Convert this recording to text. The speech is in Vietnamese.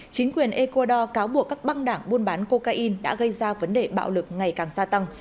chính quyền ecuador cáo buộc các băng đảng buôn bán cocaine đã gây ra vấn đề bạo lực ngày càng gia tăng